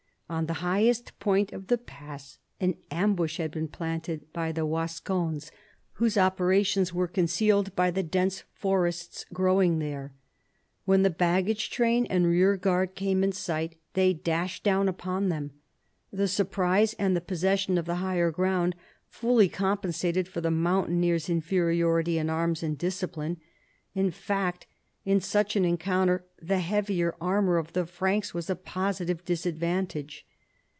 On the highest point of the pass an ambush had been planted by the Wascones whose operations were concealed by the dense forests growing there. When the baggage train and rear guard came in sight they dashed down u])on them. The surprise and the possession of the higher ground fully compensated for the mountaineers* inferiority in arms and discipline ; in fact, in such an encounter the heavier armor of the Franks was a positive disadvantage.